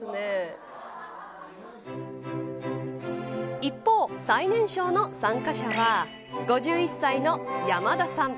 一方、最年少の参加者は５１歳のヤマダさん。